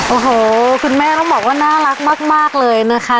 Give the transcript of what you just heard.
โอ้โหคุณแม่ต้องบอกว่าน่ารักมากเลยนะคะ